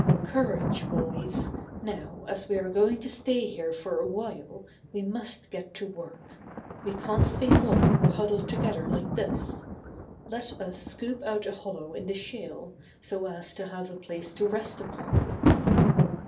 "Courage, boys, now as we are going to stay here for a while we must get to work. We can't stay long, huddled together like this. Let us scoop out a hollow in the shale so as to have a place to rest upon."